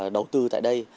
đầu tư tại đây